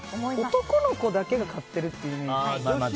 男の子だけが買ってるってイメージ。